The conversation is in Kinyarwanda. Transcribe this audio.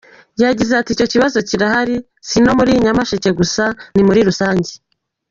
Yagize ati “Icyo kibazo kirahari, si ino muri Nyamasheke gusa, ni muri rusange.